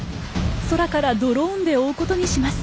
空からドローンで追うことにします。